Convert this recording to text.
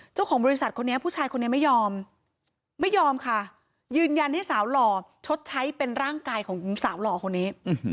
เจ้าของบริษัทคนนี้ผู้ชายคนนี้ไม่ยอมไม่ยอมค่ะยืนยันให้สาวหล่อชดใช้เป็นร่างกายของสาวหล่อคนนี้